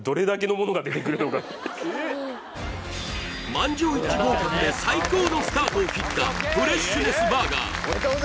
満場一致合格で最高のスタートを切ったフレッシュネスバーガー